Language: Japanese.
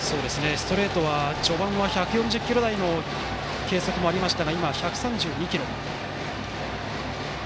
ストレートは序盤は１４０キロ台の計測もありましたが今は１３２キロ。